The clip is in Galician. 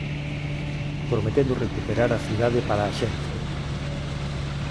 Prometendo recuperar a cidade para a xente.